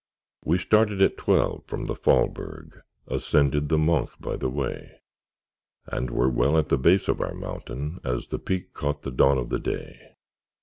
We started at twelve from the Faulberg; Ascended the Monch by the way; And were well at the base of our mountain, As the peak caught the dawn of the day.